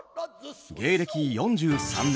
芸歴４３年。